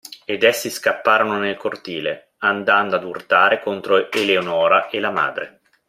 Ed essi scapparono nel cortile, andando ad urtare contro Eleonora e la madre.